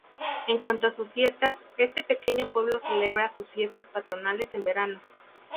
En cuanto a sus fiestas, este pequeño pueblo celebra sus fiestas patronales en verano.